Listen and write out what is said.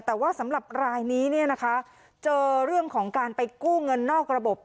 แต่ว่าสำหรับรายนี้เนี่ยนะคะเจอเรื่องของการไปกู้เงินนอกระบบ